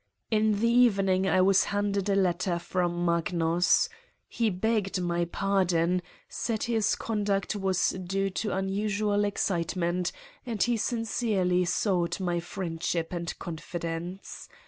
In the evening I was handed a letter from Magnus : he begged my pardon, said his conduct was due to unusual excitement and he sincerely sought my friendship and confidence.